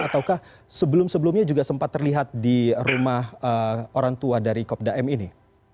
ataukah sebelum sebelumnya juga sempat terlihat di rumah orang tua dari kopda m ini